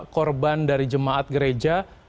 korban dari jemaat gereja